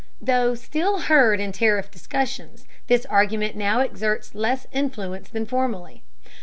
Though still heard in tariff discussions, this argument now exerts less influence than formerly.